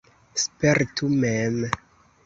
Spertu mem!